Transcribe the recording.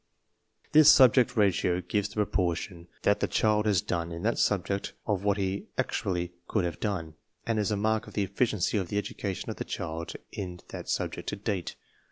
1 This Subject Ratio gives the proportion that the child has done in that subject of what he actually could have done, and is a mark of the efficiency of the education of the child in that subject to date.